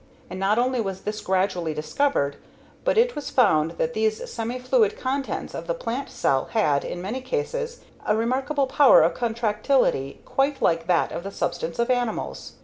And not only was this gradually discovered, but it was found that these semifluid contents of the plant cell had, in many cases, a remarkable power of contractility quite like that of the substance of animals.